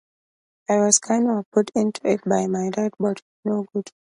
I was kind of put into it by my dad but, you know, good.